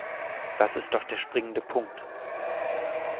Das ist doch der springende Punkt.